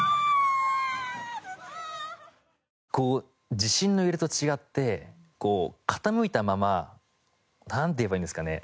地震の揺れと違ってこう傾いたままなんていえばいいんですかね？